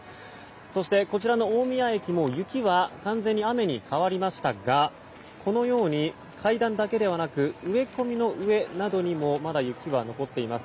そして、こちらの大宮駅も雪は完全に雨に変わりましたがこのように階段だけではなく植え込みの上などにもまだ雪は残っています。